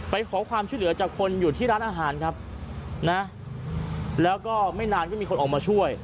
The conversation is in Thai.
ไปขอความช่วยเหลือจากคนอยู่ที่ร้านอาหารครับนะแล้วก็ไม่นานก็มีคนออกมาช่วย